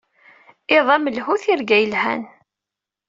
Iḍ amelhu. Tirga yelhan.